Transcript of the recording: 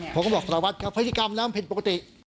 ผมก็บอกสารวัตรครับพฤติกรรมแล้วมันผิดปกติ